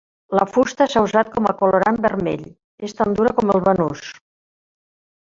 La fusta s'ha usat com a colorant vermell, és tan dura com el banús.